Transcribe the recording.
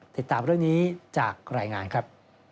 ติดตามเรื่องนี้จากรายงานครับ